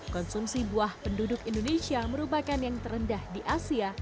konsumsi buah penduduk indonesia merupakan yang terendah di asia